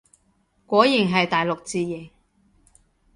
果然係大陸字形